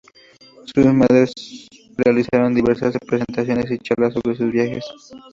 Sus padres realizaron diversas presentaciones y charlas sobre sus viajes.